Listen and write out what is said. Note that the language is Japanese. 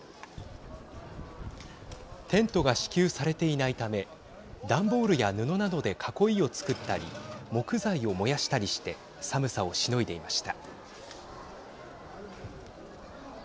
テントが支給されていないため段ボールや布などで囲いを作ったり木材を燃やしたりして寒さをしのいでいました。